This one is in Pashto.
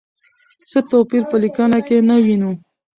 څه توپیر په لیکنه کې نه وینو؟